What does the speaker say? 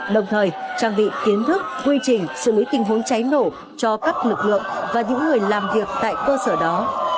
đồng thời trang bị kiến thức quy trình xử lý tình huống cháy nổ cho các lực lượng và những người làm việc tại cơ sở đó